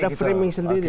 ada framing sendiri